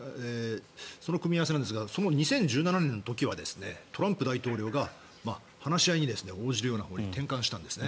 その組み合わせなんですが２０１７年の時はトランプ大統領が話し合いに応じるように転換したんです。